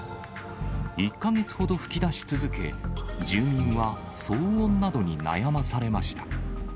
１か月ほど噴き出し続け、住民は騒音などに悩まされました。